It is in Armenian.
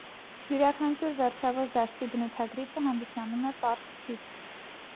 Յուրաքանչյուր վերջավոր դաշտի բնութագրիչը հանդիսանում է պարզ թիվ։